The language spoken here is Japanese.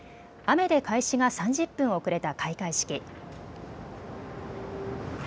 雨で開始が３０分遅れた開会式。